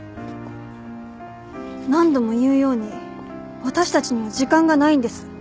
何度も言うように私たちには時間がないんです。